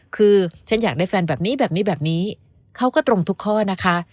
คือฉันอยากได้แฟนแบบนี้แบบนี้แบบนี้เขาก็ตรงทุกข้อนะคะ